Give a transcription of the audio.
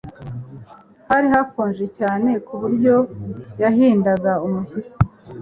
hari hakonje cyane ku buryo yahindaga umushyitsi